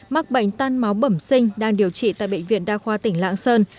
mắc bệnh tan máu bẩm sinh đang điều trị tại bệnh viện đa khoa tỉnh lạng sơn